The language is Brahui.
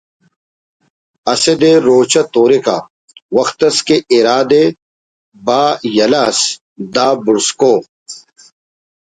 اسہ دے روچہ توریکہ وخت اس کہ اِرا دے با یلہ ئس دا بڑز کو